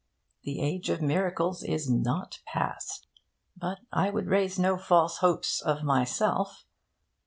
The age of miracles is not past. But I would raise no false hopes of myself.